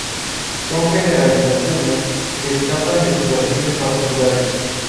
Son generalizaciones que escapan de situaciones particulares.